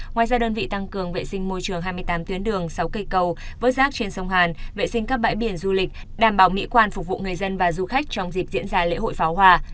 ngoài ra đơn vị tăng cường vệ sinh môi trường hai mươi tám tuyến đường sáu cây cầu vớt rác trên sông hàn vệ sinh các bãi biển du lịch đảm bảo mỹ quan phục vụ người dân và du khách trong dịp diễn ra lễ hội pháo hòa